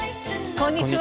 こんにちは。